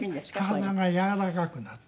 体がやわらかくなった。